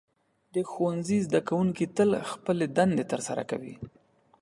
د ښوونځي زده کوونکي تل خپلې دندې ترسره کوي.